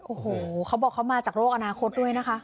โอ้โหเขาบอกเขามาจากโรคอนาคตด้วยนะคะ